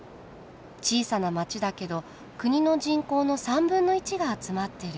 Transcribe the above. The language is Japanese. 小さな街だけど国の人口の３分の１が集まってる。